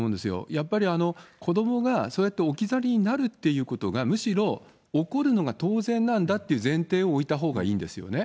やっぱり子どもが、そうやって置き去りになるっていうことが、むしろ起こるのが当然なんだという前提を置いたほうがいいんですよね。